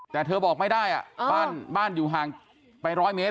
แต่เธอบอกไม่ได้บ้านอยู่ห่างไป๑๐๐เมตร